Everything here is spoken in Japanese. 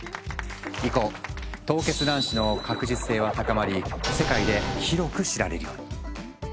以降凍結卵子の確実性は高まり世界で広く知られるように。